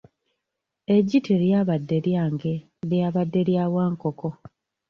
Eggi teryabadde lyange, lyabadde lya Wankoko,